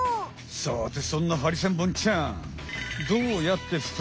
さてそんなハリセンボンちゃん。